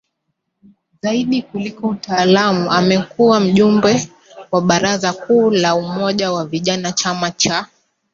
zaidi kuliko utaalamu Amekuwa Mjumbe wa Baraza Kuu la Umoja wa vijana chama cha